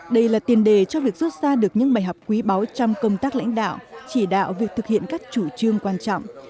đây là tiền đề cho việc rút ra được những bài học quý báu trong công tác lãnh đạo chỉ đạo việc thực hiện các chủ trương quan trọng